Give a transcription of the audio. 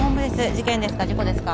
事件ですか？